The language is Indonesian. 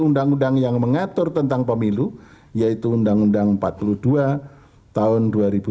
undang undang yang mengatur tentang pemilu yaitu undang undang empat puluh dua tahun dua ribu tujuh belas